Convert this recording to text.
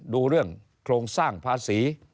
ดูเรื่องโครงสร้างภาษี